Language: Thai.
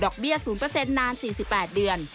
เบี้ย๐นาน๔๘เดือน